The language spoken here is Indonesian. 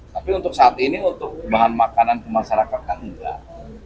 tapi untuk saat ini untuk bahan makanan kemasyarakat kan nggak